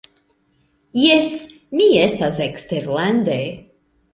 Jes, mi estis eksterlande.